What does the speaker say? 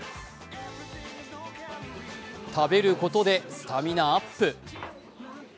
食べることでスタミナアップ。